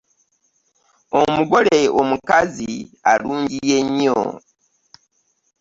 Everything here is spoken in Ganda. Omugole omukazi alungiye nnyo.